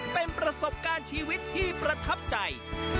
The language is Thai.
เป็นประสบการณ์ชีวิตที่ประทับใจ